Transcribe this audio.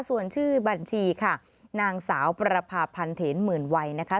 ส่วนชื่อบัญชีค่ะนางสาวประพาพันธ์เถนหมื่นวัยนะคะ